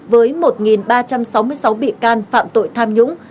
với một ba trăm sáu mươi sáu bị can phạm tội tham nhũng